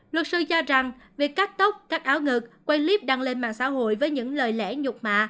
luật sư cho rằng việc cắt tóc cắt áo ngực quan líp đăng lên mạng xã hội với những lời lẽ nhục mạ